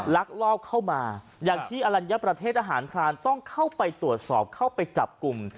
ลักลอบเข้ามาอย่างที่อลัญญประเทศอาหารพรานต้องเข้าไปตรวจสอบเข้าไปจับกลุ่ม